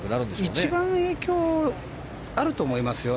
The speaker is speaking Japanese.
一番影響あると思いますよ。